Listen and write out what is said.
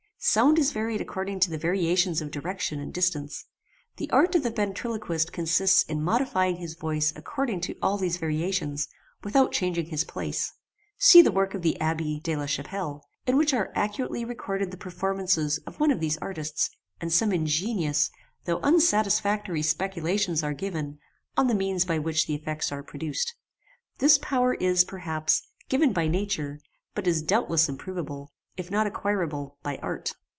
Sound is varied according to the variations of direction and distance. The art of the ventriloquist consists in modifying his voice according to all these variations, without changing his place. See the work of the Abbe de la Chappelle, in which are accurately recorded the performances of one of these artists, and some ingenious, though unsatisfactory speculations are given on the means by which the effects are produced. This power is, perhaps, given by nature, but is doubtless improvable, if not acquirable, by art.